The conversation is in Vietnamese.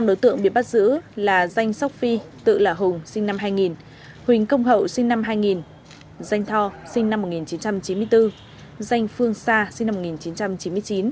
năm đối tượng bị bắt giữ là danh sóc phi tự là hùng sinh năm hai nghìn huỳnh công hậu sinh năm hai nghìn danh thò sinh năm một nghìn chín trăm chín mươi bốn danh phương sa sinh năm một nghìn chín trăm chín mươi chín